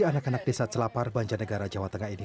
anak anak desa celapar banjarnegara jawa tengah ini